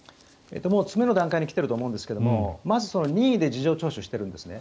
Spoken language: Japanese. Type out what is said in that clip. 詰めの段階に来ていると思うんですがまず、任意で事情聴取しているんですね。